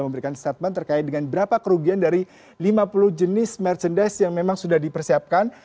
memberikan statement terkait dengan berapa kerugian dari lima puluh jenis merchandise yang memang sudah dipersiapkan